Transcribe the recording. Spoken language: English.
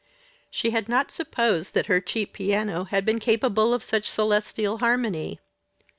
She had not supposed that her cheap piano had been capable of such celestial harmony.